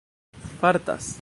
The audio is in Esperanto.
fartas